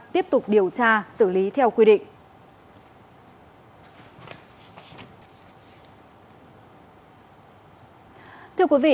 tiếp tục điều tra xử lý theo quy định